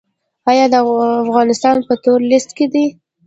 آیا افغانستان په تور لیست کې دی؟